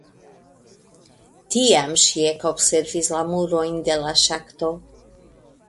Tiam ŝi ekobservis la murojn de la ŝakto.